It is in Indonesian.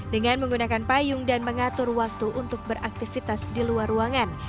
dengan menggunakan payung dan mengatur waktu untuk beraktivitas di luar ruangan